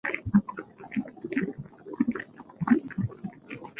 শামসুন নাহার বাংলাদেশ আওয়ামী লীগের রাজনীতিবিদ।